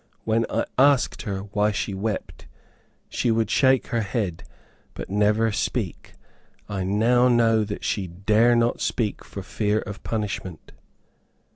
When I asked her why she wept, she would shake her head, but never speak. I now know that she dare not speak for fear of punishment.